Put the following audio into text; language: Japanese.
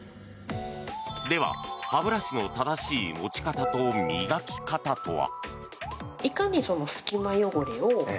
では歯ブラシの正しい持ち方と磨き方とは。